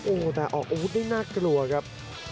โอ้โหแต่ออกอาวุธได้น่ากลัวครับ